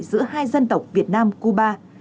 giữa hai dân tộc việt nam cuba